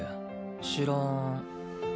知らん。